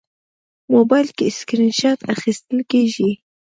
موبایل کې سکرین شات اخیستل کېږي.